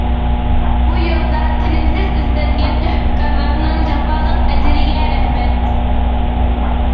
بۇ يولدا تىنىمسىز ئىزدەنگەن تۆھپىكارلارنىڭ جاپالىق ئەجرىگە رەھمەت!